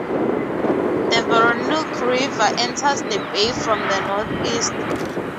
The Veronique River enters the bay from the northeast.